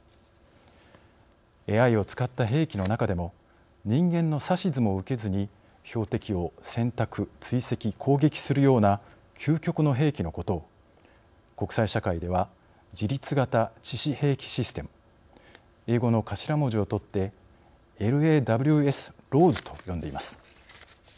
ＡＩを使った兵器の中でも人間の指図も受けずに標的を選択、追跡攻撃するような究極の兵器のことを国際社会では自律型致死兵器システム英語の頭文字をとってＬＡＷＳＬＡＷＳと呼んでいます。